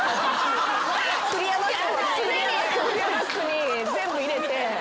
クリアバッグに全部入れて。